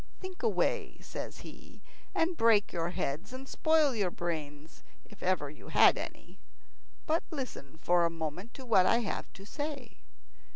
"Think away," says he, "and break your heads, and spoil your brains, if ever you had any; but listen for a moment to what I have to say."